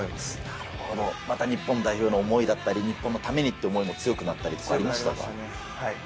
なるほど、また日本代表の思いだったり、日本のためにという思いも強くな強くなりましたね。